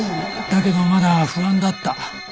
だけどまだ不安だった。